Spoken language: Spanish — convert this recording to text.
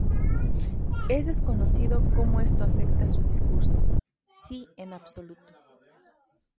Es desconocido cómo esto afecta su discurso, si en absoluto.